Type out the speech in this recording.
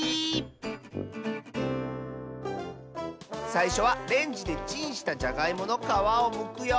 さいしょはレンジでチンしたじゃがいものかわをむくよ。